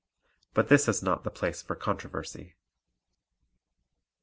But this is not the place for controversy.